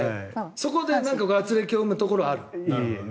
そこであつれきを生むところはある？